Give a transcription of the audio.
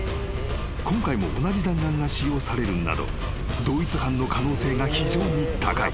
［今回も同じ弾丸が使用されるなど同一犯の可能性が非常に高い］